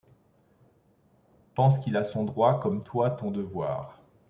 Pense qu’il a son droit comme toi ton devoir ;